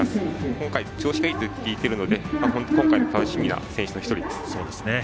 今回、調子がいいと聞いているので今回も楽しみな選手の一人です。